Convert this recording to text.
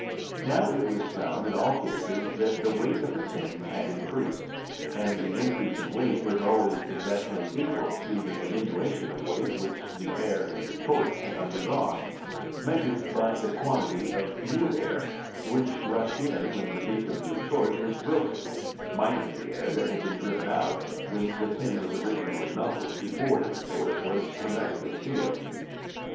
Now it was tbund in all cases, that the weight of the tin had increased, and the in crease of weight was always exactly equal to the diminution of weight which the air in the retort bad undergoDe, measured by the quantity of new ait which rushed in when the beak of the retort was broken, minus the air that had been driven out wlien the tin was originally melted before the retort was hermetically sealed.